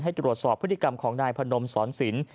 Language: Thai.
ตรวจสอบพฤติกรรมของนายพนมสอนศิลป